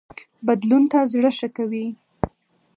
بدلون ته زړه ښه کوي